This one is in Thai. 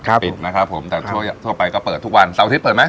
ครับผมนะครับผมแต่ทั่วไปก็เปิดทุกวันสวัสดีเปิดไหม